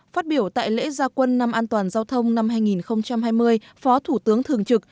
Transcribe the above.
phát biểu tại lễ gia quân năm an toàn giao thông năm hai nghìn hai mươi phó thủ tướng thường trực